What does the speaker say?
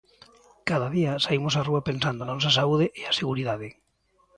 Cada día saímos á rúa pensando na nosa saúde e a seguridade.